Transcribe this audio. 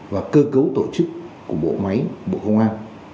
và cơ cấu tổ chức của bộ máy bộ công an